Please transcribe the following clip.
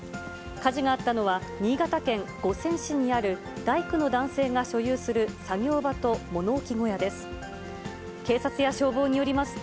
火事があったのは、新潟県五泉市にある大工の男性が所有する作業場と物置小屋です。